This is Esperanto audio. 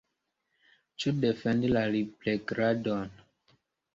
Ĉu defendi la liplegadon?